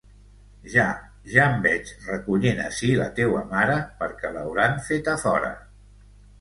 Ja, ja em veig recollint ací la teua mare, perquè l'hauran feta fora.